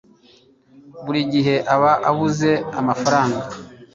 Buri gihe aba abuze amafaranga